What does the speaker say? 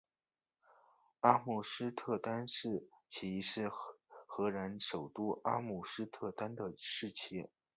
阿姆斯特丹市旗是荷兰首都阿姆斯特丹的市旗。